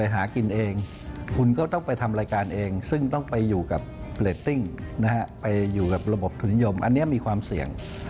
หายไปเลย